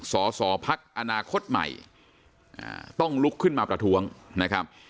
สอสอพักอนาคตใหม่ต้องลุกขึ้นมาประท้วงนะครับ